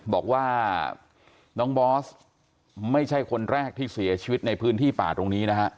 บอกว่าน้องบอสไม่ใช่คนแรกที่เสียชีวิตในพื้นที่ป่าตรงนี้นะฮะ